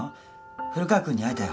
古川君に会えたよ